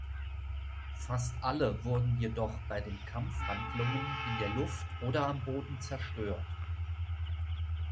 Fast alle wurden jedoch bei den Kampfhandlungen in der Luft oder am Boden zerstört.